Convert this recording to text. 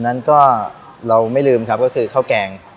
นั้นก็เราไม่ลืมครับก็คือข้าวแกง